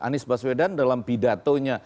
anis baswedan dalam pidatonya